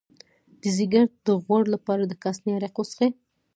د ځیګر د غوړ لپاره د کاسني عرق وڅښئ